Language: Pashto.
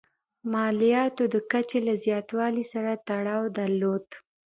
مالیاتو د کچې له زیاتوالي سره تړاو درلود.